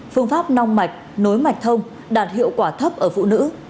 phương pháp nong mạch nối mạch thông đạt hiệu quả thấp ở phụ nữ